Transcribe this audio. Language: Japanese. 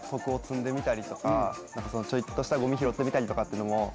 ちょっとしたゴミ拾ってみたりとかっていうのも。